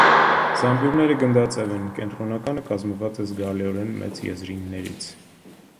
Զամբյուղները գնդաձև են, կենտրոնականը կազմված է զգալիորեն մեծ եզրիններից։